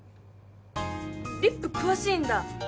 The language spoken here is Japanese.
リップ詳しいんだまあ